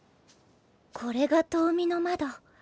これが遠見の窓。